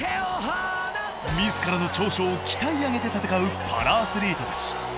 みずからの長所を鍛え上げて戦うパラアスリートたち。